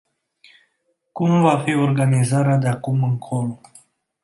Cum va fi organizarea de acum încolo?